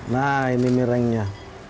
nah ini mirengnya